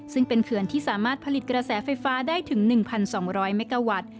ซึ่งเป็นเขื่อนที่สามารถผลิตกระแสไฟฟ้าได้ถึง๑๒๐๐เมกาวัตต์